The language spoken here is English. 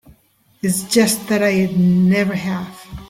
It's just that I never have.